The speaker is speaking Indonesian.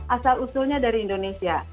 asal usulnya dari indonesia